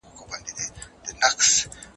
د موسسو زور د سياست لپاره اړين دی.